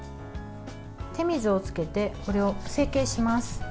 手水をつけてこれを成形します。